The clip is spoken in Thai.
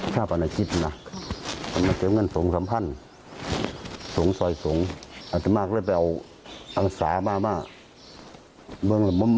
ใช่ครับ